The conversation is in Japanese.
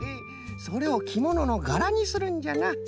それをきもののがらにするんじゃな。